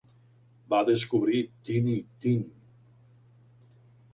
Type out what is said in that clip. Va "descobrir" Tiny Tim.